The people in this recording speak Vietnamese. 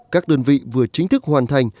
các đơn vị vừa chính thức hoàn thành